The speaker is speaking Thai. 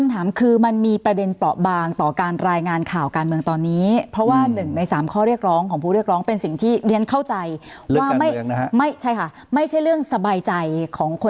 แต่ถ้าเขาไม่มาคุณก็